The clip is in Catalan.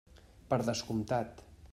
Per descomptat.